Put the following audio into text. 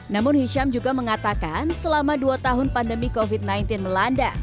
namun hisham juga mengatakan selama dua tahun pandemi covid sembilan belas melanda